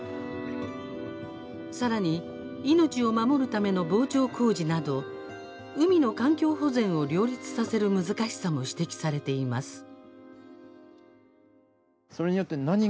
さらに命を守るための防潮工事など海の環境保全を両立させる難しさも指摘されています。